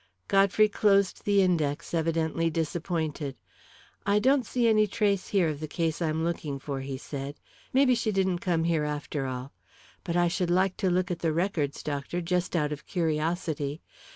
Godfrey closed the index, evidently disappointed. "I don't see any trace here of the case I'm looking for," he said. "Maybe she didn't come here, after all. But I should like to look at the records, doctor, just out of curiosity.